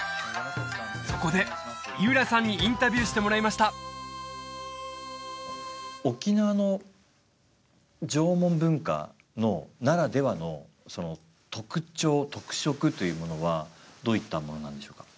そこで井浦さんにインタビューしてもらいました沖縄の縄文文化ならではのその特徴特色というものはどういったものなんでしょうか？